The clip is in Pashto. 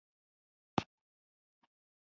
ملاتړو په مرسته یو تن ټربیون عزل کړ.